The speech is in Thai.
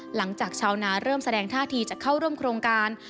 หลังจากชาวนาเริ่มแสดงท่าทีจะเข้าร่วมโครงการ